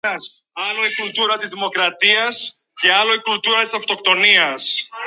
άρχιζε ο σιορ-Αμπρουζής.